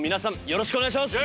よろしくお願いします。